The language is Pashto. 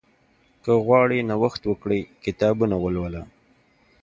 که غواړې نوښت وکړې، کتابونه ولوله.